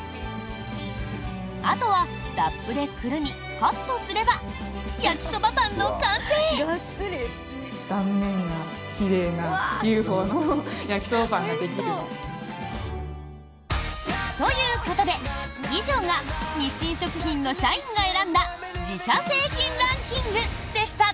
あとはラップでくるみカットすれば焼きそばパンの完成。ということで以上が日清食品の社員が選んだ自社製品ランキングでした。